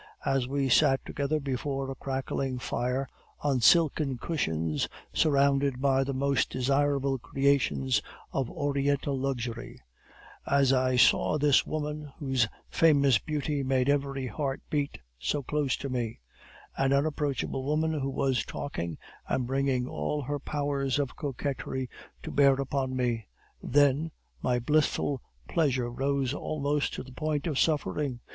As we sat together before a crackling fire, on silken cushions surrounded by the most desirable creations of Oriental luxury; as I saw this woman whose famous beauty made every heart beat, so close to me; an unapproachable woman who was talking and bringing all her powers of coquetry to bear upon me; then my blissful pleasure rose almost to the point of suffering.